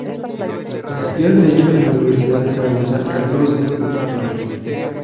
Tras estudiar Derecho en la Universidad de Zaragoza realizó los cursos de doctorado.